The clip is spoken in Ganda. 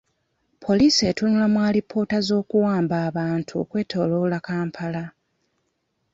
Poliisi etunula mu alipoota z'okuwamba bantu okwetooloola Kampala